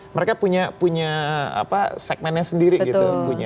mereka punya segmennya sendiri gitu